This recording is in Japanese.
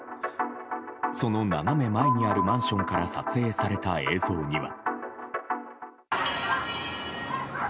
その斜め前にあるマンションから撮影された映像には。